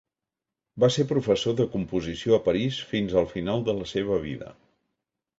Va ser professor de composició a París fins al final de la seva vida.